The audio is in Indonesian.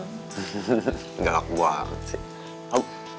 hahaha nggak aku bohong sih